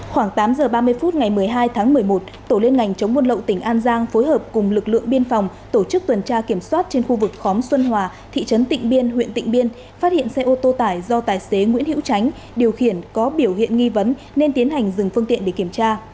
khoảng tám h ba mươi phút ngày một mươi hai tháng một mươi một tổ liên ngành chống buôn lậu tỉnh an giang phối hợp cùng lực lượng biên phòng tổ chức tuần tra kiểm soát trên khu vực khóm xuân hòa thị trấn tịnh biên huyện tịnh biên phát hiện xe ô tô tải do tài xế nguyễn hữu tránh điều khiển có biểu hiện nghi vấn nên tiến hành dừng phương tiện để kiểm tra